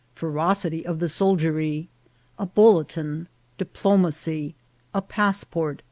— Ferocity of the Soldiery. — A Bulletin.— Diplomacy. — A Passport.